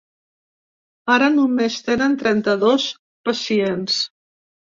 Ara només tenen trenta-dos pacients.